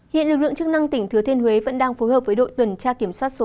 hiện lực lượng chức năng tỉnh thừa thiên huế vẫn đang phối hợp với đội tuần tra kiểm soát số năm